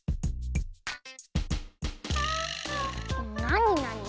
なになに？